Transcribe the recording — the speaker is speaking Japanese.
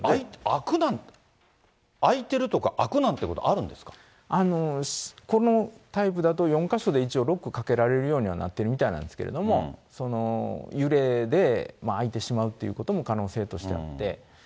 開くなんて、開いてるとか、開くなんてこと、このタイプだと、４か所で一応ロックかけられるようにはなってるみたいなんですけれども、揺れで開いてしまうということも可能性としてあって。